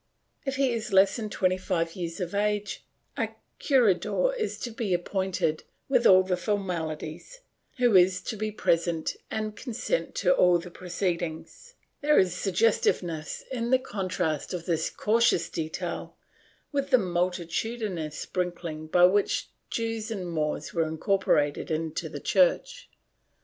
If he is less than 25 years of age, a curador is to be appointed, with all the formalities, who is to be present and to consent to all the proceedings. There is suggestive ness in the contrast of this cautious detail with the multitudinous sprinkling by which Jews and Moors were incorporated in the Church.